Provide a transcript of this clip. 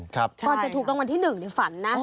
ก็จะถูกรางวัลที่หนึ่งในฝันน่ะ